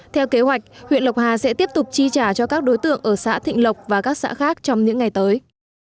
theo kế hoạch huyện lộc hà sẽ tiếp tục chi trả cho các đối tượng ở xã thịnh lộc và các xã khác trong những ngày tới